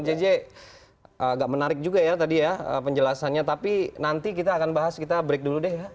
oke mas eko ya bang jj agak menarik juga ya tadi ya penjelasannya tapi nanti kita akan bahas kita break dulu deh ya